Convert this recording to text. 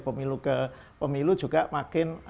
pemilu ke pemilu juga makin